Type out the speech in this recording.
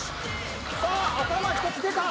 さあ頭ひとつ出た！